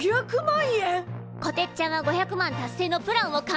こてっちゃんは５００万達成のプランを考えて。